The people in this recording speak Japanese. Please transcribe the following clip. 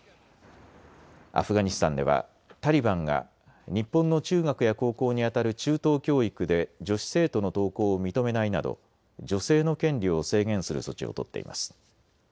アフガニスタンではタリバンが日本の中学や高校にあたる中等教育で女子生徒の登校を認めないなど女性の権利を制限する措置を取っています。